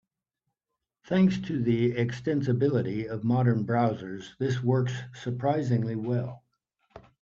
Thanks to the extensibility of modern browsers, this works surprisingly well.